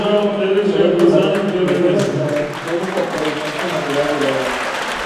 Por otro lado, en zonas planas, puede cortar el flujo natural del agua.